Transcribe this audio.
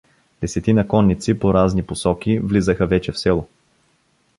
Десетина конници по разни посоки влизаха вече в село.